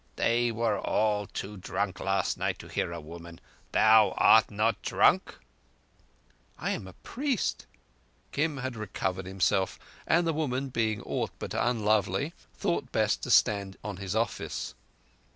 They were all too drunk last night to hear a woman. Thou art not drunk?" "I am a priest." Kim had recovered himself, and, the woman being aught but unlovely, thought best to stand on his office.